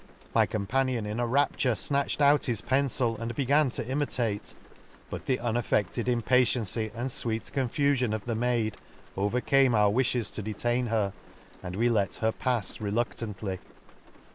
— My companion, in a rapture, (hatch ed out his pencil, and began to imitate ; but the unaffe&ed impatiency, and fweet confufion of the maid, overcame our wifhes to detain her, and we let her pafs reluctantly.